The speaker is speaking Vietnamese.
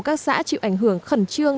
các xã chịu ảnh hưởng khẩn trương